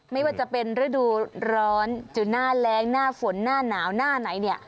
ไม่ว่าจะเป็นฤดูร้อนจะหน้าแรงหน้าฝนหน้าหนาวหน้าไหนเนี่ย